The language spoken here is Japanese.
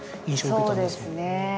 そうですね。